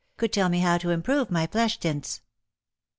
— could tell me how to improve my flesh tints."